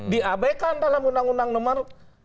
diabaikan dalam undang undang nomor tujuh belas